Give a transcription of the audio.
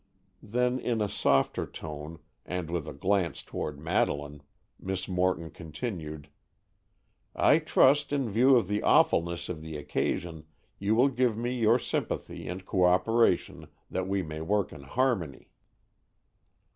Then, in a softer tone and with a glance toward Madeleine, Miss Morton continued, "I trust in view of the awfulness of the occasion you will give me your sympathy and co operation, that we may work in harmony."